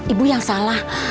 ibu yang salah